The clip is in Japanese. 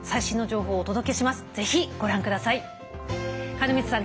金光さん